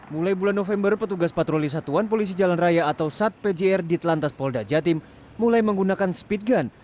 mulai bulan november petugas patroli satuan polisi jalan raya atau sat pjr di telantas polda jatim mulai menggunakan speed gun